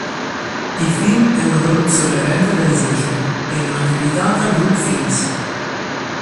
Il film è una produzione Rank Organisation e, non accreditata Group Films.